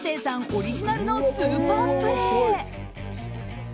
オリジナルのスーパープレー。